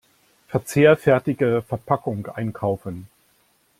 Verzehrfertige Verpackung einkaufen.